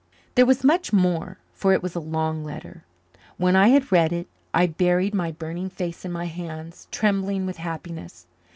There was much more, for it was a long letter. When I had read it I buried my burning face in my hands, trembling with happiness.